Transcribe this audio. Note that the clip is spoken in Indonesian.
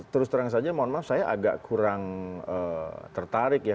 terus terang saja mohon maaf saya agak kurang tertarik ya